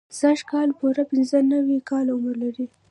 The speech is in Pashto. سږ کال پوره پنځه نوي کاله عمر لري.